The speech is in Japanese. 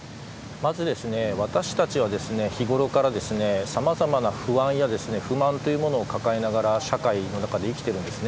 まず私たちは日頃から様々な不安や不満というものを抱えながら社会の中で生きているんです。